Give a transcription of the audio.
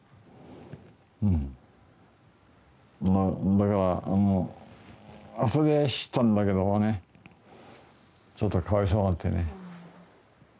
だからあとで知ったんだけどもねちょっとかわいそうになってね。